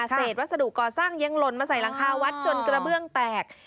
วัสดุก่อสร้างยังหล่นมาใส่หลังคาวัดจนกระเบื้องแตก